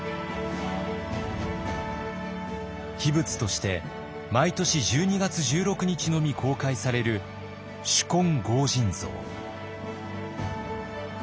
秘仏として毎年１２月１６日のみ公開される執金剛神像。